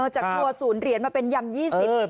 จากทัวร์ศูนย์เหรียญมาเป็นยำยี่สิบ